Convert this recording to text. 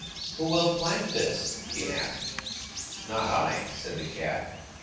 "Who will plant this?" she asked. "Not I," said the cat.